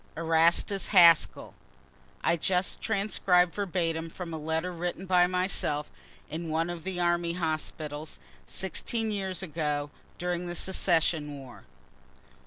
ERASTUS HASKELL. [I just transcribe verbatim from a letter written by myself in one of the army hospitals, 16 years ago, during the secession war.